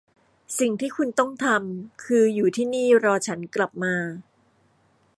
สิ่งที่คุณต้องทำคืออยู่ที่นี่รอฉันกลับมา